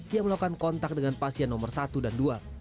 yang melakukan kontak dengan pasien nomor satu dan dua